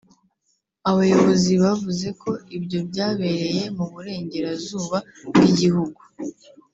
Abayobozi bavuze ko ibyo byabereye mu Burengerazuba bw’igihugu